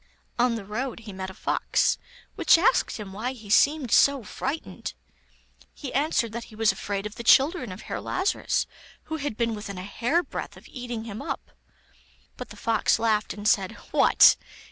On the road he met a fox, which asked him why he seemed so frightened. He answered that he was afraid of the children of Herr Lazarus, who had been within a hair breadth of eating him up. But the fox laughed, and said: 'What!